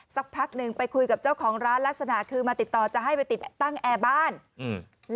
สักพักหนึ่งไปคุยกับเจ้าของร้านลักษณะคือมาติดต่อจะให้ไปติดตั้งแอร์บ้านอืม